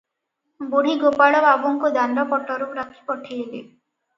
ବୁଢୀ ଗୋପାଳ ବାବୁଙ୍କୁ ଦାଣ୍ଡ ପଟରୁ ଡାକି ପଠେଇଲେ ।